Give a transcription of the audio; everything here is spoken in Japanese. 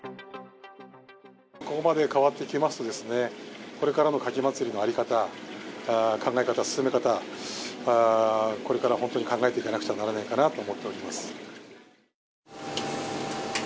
ここまで変わってきますとですね、これからの牡蠣まつりの在り方、考え方、進め方、これから本当に考えていかなくちゃならないかなと思っております。